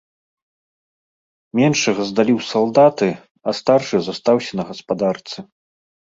Меншага здалі ў салдаты, а старшы застаўся на гаспадарцы.